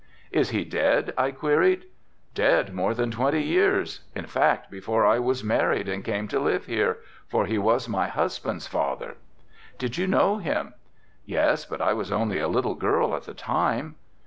"Is he dead?" I queried. "Dead more than twenty years, in fact before I was married and came to live here, for he was my husband's father." "Did you know him?" "Yes, but I was only a little girl at the time."